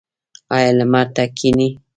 ایا لمر ته کینئ؟